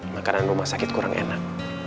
makanan rumah sakit kurang enak